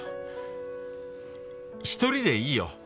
一人でいいよ。